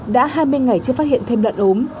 đã hai mươi ngày chưa phát hiện thêm lợn ốm